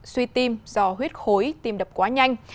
suy tim do huyết khối tim đập quá nhanh